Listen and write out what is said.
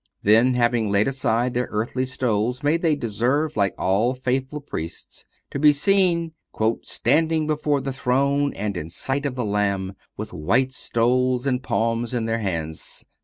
Then, having laid aside their earthly stoles, may they deserve, like all faithful Priests, to be seen "standing before the throne, and in sight of the Lamb, with white stoles and palms in their hands